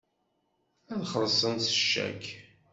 Ad xellṣen s ccak.